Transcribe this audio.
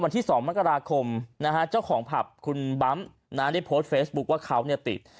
วันที่๒มกราคมนะฮะเจ้าของผับคุณบั๊มได้โพสต์เฟซบุ๊คว่าเขาเนี่ยติด